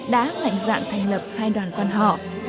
đã lãnh dạng thành lập hai đoàn quan hậu